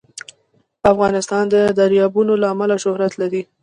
افغانستان د دریابونه له امله شهرت لري.